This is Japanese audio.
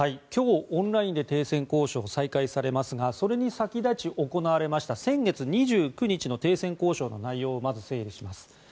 今日、オンラインで停戦交渉が再開されますがそれに先立ち行われました先月２９日の停戦交渉の内容をまず整理します。